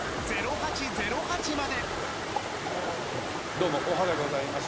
どうもおはでございます。